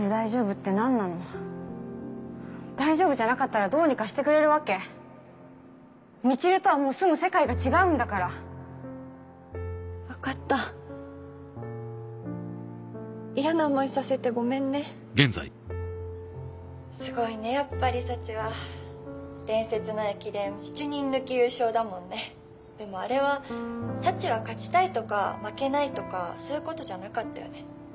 ってなんな大丈夫じゃなかったらどうにかしてくれるみちるとはもう住む世界が違うんだかわかった嫌な思いさせてごめんねすごいねやっぱりサチは伝説の駅伝７人抜き優勝だもんねでもあれはサチは勝ちたいとか負けないとかそういうことじゃなかったよね